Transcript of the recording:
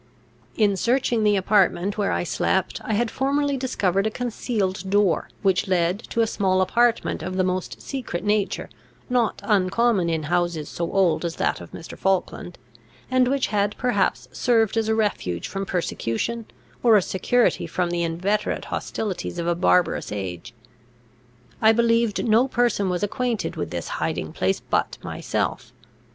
In searching the apartment where I slept, I had formerly discovered a concealed door, which led to a small apartment of the most secret nature, not uncommon in houses so old as that of Mr. Falkland, and which had perhaps served as a refuge from persecution, or a security from the inveterate hostilities of a barbarous age. I believed no person was acquainted with this hiding place but myself.